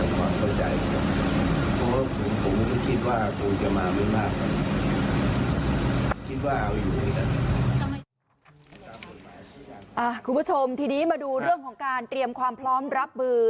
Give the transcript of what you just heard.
คุณผู้ชมทีนี้มาดูเรื่องของการเตรียมความพร้อมรับมือ